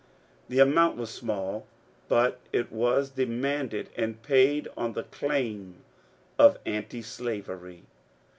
The amount was small, but it was demanded and paid on the claim of Antislavery.